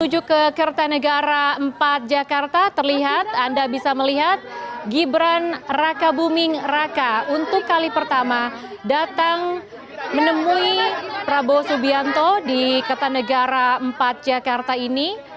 menuju ke kertanegara empat jakarta terlihat anda bisa melihat gibran raka buming raka untuk kali pertama datang menemui prabowo subianto di kertanegara empat jakarta ini